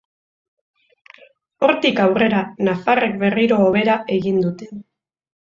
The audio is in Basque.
Hortik aurrera, nafarrek berriro hobera egin dute.